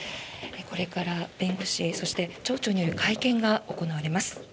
これから弁護士そして町長による会見が行われます。